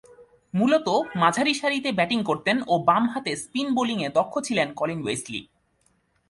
মূলতঃ মাঝারিসারিতে ব্যাটিং করতেন ও বামহাতে স্পিন বোলিংয়ে দক্ষ ছিলেন কলিন ওয়েসলি।